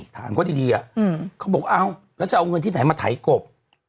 ถามเขาดีเขาบอกเอ้าแล้วจะเอาเงินที่ไหนมาไถกบ